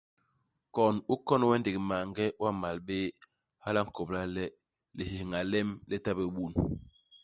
Kon u kon we ndék maange u gamal bé. Hala a nkobla le lihéñha lem li ta bé bun.